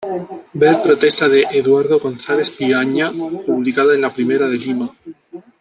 Ver protesta de Eduardo Gonzales Viaña, publicada en "La Primera de Lima".